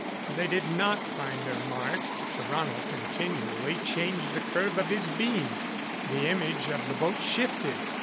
They did not find their mark. Tarrano continually changed the curve of his beam. The image of the boat shifted.